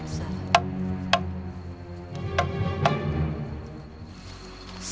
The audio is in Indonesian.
sepertinya ada yang tidak beres